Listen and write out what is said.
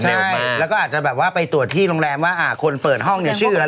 ใช่แล้วก็อาจจะแบบว่าไปตรวจที่โรงแรมว่าคนเปิดห้องเนี่ยชื่ออะไร